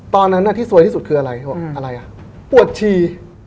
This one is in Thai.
ตอนนั้นน่ะที่สวยที่สุดคืออะไรอืมอะไรอ่ะปวดชี